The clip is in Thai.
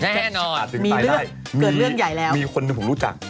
แน่นอนถึงไปได้เกิดเรื่องใหญ่แล้วมีคนหนึ่งผมรู้จัก